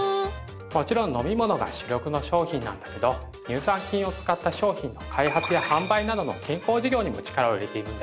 もちろん飲み物が主力の商品なんだけど乳酸菌を使った商品の開発や販売などの健康事業にも力を入れているんだよ